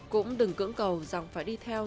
cũng đừng cưỡng cầu rằng phải đi theo